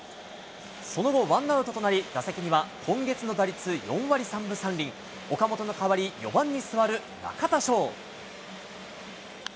その後、ワンアウトとなり、打席には今月の打率４割３分３厘、岡本に代わり、４番に座る中田翔。